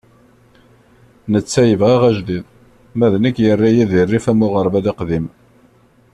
Netta yebɣa ajdid, ma d nekk yerra-yi di rrif am uɣerbal aqdim.